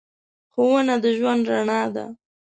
ښوونه د ژوند رڼا ده.